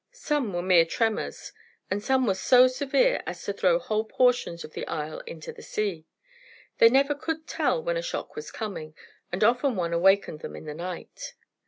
Some were mere tremors, and some were so severe as to throw whole portions of the isle into the sea. They never could tell when a shock was coming, and often one awakened them in the night.